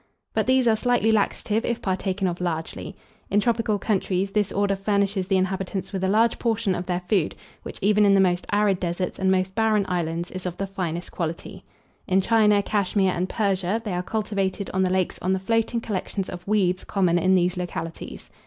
But these are slightly laxative if partaken of largely. In tropical countries, this order furnishes the inhabitants with a large portion of their food, which, even in the most arid deserts and most barren islands, is of the finest quality. In China, Cashmere, and Persia, they are cultivated on the lakes on the floating collections of weeds common in these localities.